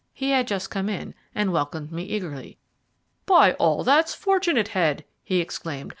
He had just come in, and welcomed me eagerly. "By all that's fortunate, Head!" he exclaimed.